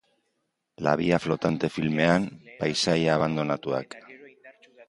La via flotante filmean paisaia abandonatuak.